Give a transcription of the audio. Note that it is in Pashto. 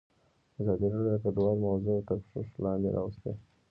ازادي راډیو د کډوال موضوع تر پوښښ لاندې راوستې.